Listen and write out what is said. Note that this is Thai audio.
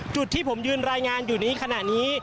จุดที่ผมยืนรายงานอยู่ในขณะนี้